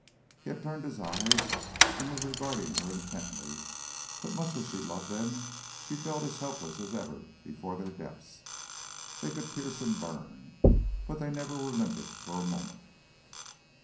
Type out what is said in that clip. He had turned his eyes and was regarding her intently; but much as she loved them she felt as helpless as ever before their depths. They could pierce and burn, but they never were limpid for a moment.